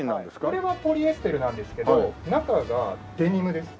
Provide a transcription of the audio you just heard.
これはポリエステルなんですけど中がデニムです。